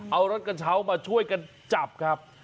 เอารถกระเช้ามาช่วยกันจับครับ